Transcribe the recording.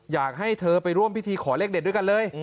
อยากให้เธอไปร่วมพิธีขอเลขเด็ดด้วยกันเลย